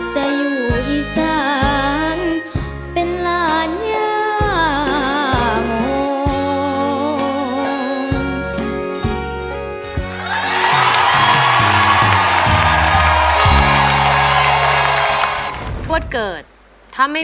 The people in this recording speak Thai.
จะอยู่อีสานเป็นหลานย่าโม